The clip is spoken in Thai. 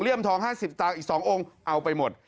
ทอง๕๐สตางค์อีก๒องค์เอาไปหมด